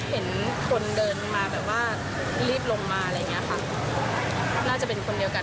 เห็นคนเดินมาแบบว่ารีบลงมาอะไรอย่างเงี้ยค่ะน่าจะเป็นคนเดียวกัน